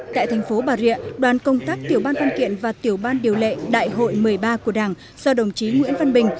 tại thành phố bà rịa đoàn công tác tiểu ban văn kiện và tiểu ban điều lệ đại hội một mươi ba của đảng do đồng chí nguyễn văn bình